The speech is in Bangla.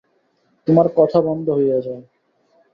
তোমার কথা বন্ধ হইয়া যায়।